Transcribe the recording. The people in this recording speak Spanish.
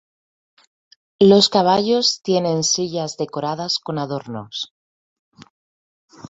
Los caballos tienen sillas decoradas con adornos.